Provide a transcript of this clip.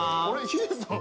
ヒデさん。